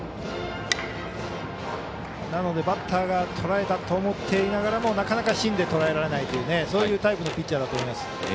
なので、バッターがとらえたと思っていながらもなかなか芯でとらえられないというそういうタイプのピッチャーだと思います。